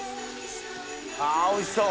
あおいしそう！